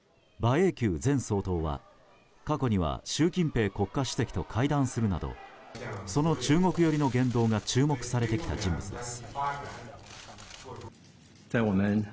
英九前総統は過去には習近平国家主席と会談するなどその中国寄りの言動が注目されてきた人物です。